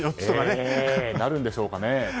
あるんでしょうかね。